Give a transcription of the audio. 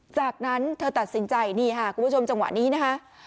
จากนั้นเธอตัดสินใจนี่ค่ะคุณผู้ชมจังหวะนี้นะคะ